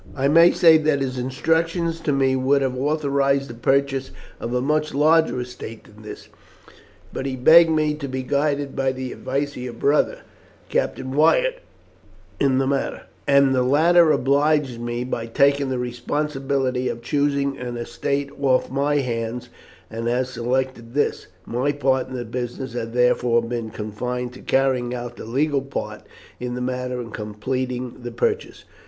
I may say that his instructions to me would have authorized the purchase of a much larger estate than this, but he begged me to be guided by the advice of your brother, Captain Wyatt, in the matter, and the latter obliged me by taking the responsibility of choosing an estate off my hands, and has selected this. My part in the business has therefore been confined to carrying out the legal part in the matter and completing the purchase."